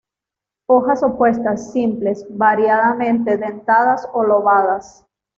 Hojas opuestas, simples, variadamente dentadas o lobadas.